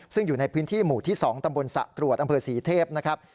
ซึ่งอยู่ในพื้นที่หมู่ที่๒ตำบลสะกรวดอำเภอศรีเทพนะครับ